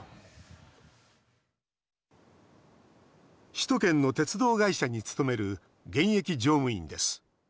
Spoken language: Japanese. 首都圏の鉄道会社に勤める現役乗務員です。